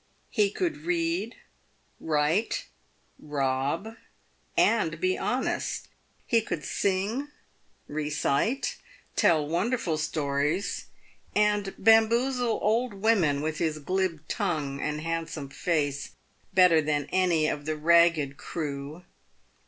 He could read, write, rob, and be honest. He could sing, recite, tell wonderful stories, and bamboozle old women with his glib tongue and handsome face, better than any of the ragged crew.